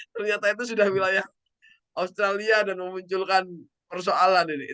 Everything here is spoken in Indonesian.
ternyata itu sudah wilayah australia dan memunculkan persoalan ini